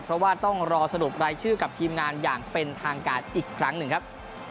เพราะว่าต้องรอสรุปรายชื่อกับทีมงานอย่างเป็นทางการอีกครั้งหนึ่งครับ